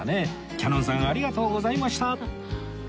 キヤノンさんありがとうございました！